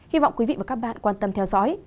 hy vọng quý vị và các bạn quan tâm theo dõi